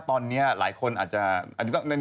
ตอนนี้หลายคนอาจจะ